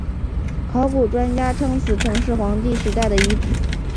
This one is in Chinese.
考古专家称此城是黄帝时代的遗址。